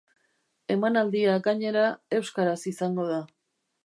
Emanaldia, gainera, euskaraz izango da.